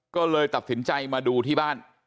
ก็เลยตัดสินใจมาดูที่บ้าน